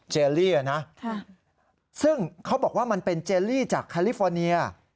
เลลี่นะซึ่งเขาบอกว่ามันเป็นเจลลี่จากแคลิฟอร์เนีย